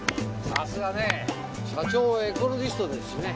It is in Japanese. さすがねぇ社長はエコロジストですしね。